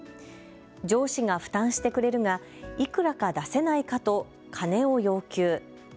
上司が負担してくれるがいくらか出せないかと金を要求。